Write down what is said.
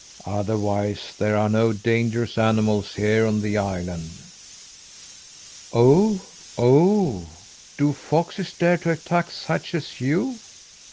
Otherwise, there are no dangerous animals here on the island." "Oh, oh! do foxes dare to attack such as you?"